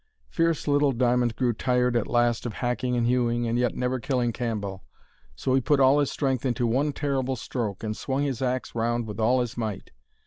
Fierce little Diamond grew tired at last of hacking and hewing and yet never killing Cambell. So he put all his strength into one terrible stroke, and swung his axe round with all his might.